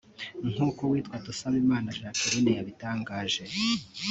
nk’uko uwitwa Dusabimana Jacqueline yabitangaje